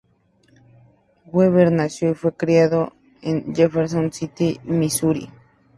Weber nació y fue criado en Jefferson City, Misuri.